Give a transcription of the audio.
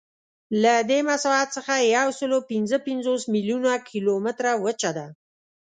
له دې مساحت څخه یوسلاوپینځهپنځوس میلیونه کیلومتره وچه ده.